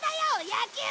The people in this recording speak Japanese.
野球！